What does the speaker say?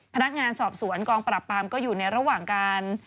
พนักงานสอบสวนกองปราบปรามก็อยู่ในระหว่างการ